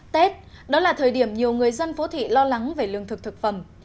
tết đó là thời điểm nhiều người dân phố thị lo lắng về lương thực thực phẩm